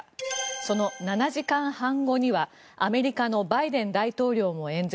その７時間半後にはアメリカのバイデン大統領も演説。